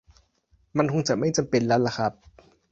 มันคงจะไม่จำเป็นแล้วล่ะครับ